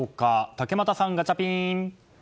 竹俣さん、ガチャピン。